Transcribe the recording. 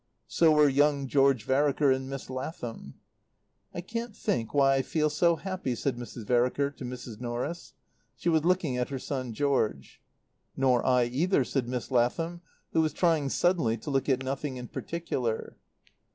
So were young George Vereker and Miss Lathom. "I can't think why I feel so happy," said Mrs. Vereker to Mrs. Norris. She was looking at her son George. "Nor I, either," said Miss Lathom, who was trying suddenly to look at nothing in particular.